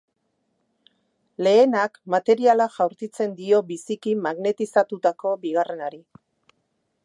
Lehenak materiala jaurtitzen dio biziki magnetizatutako bigarrenari.